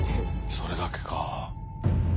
それだけか。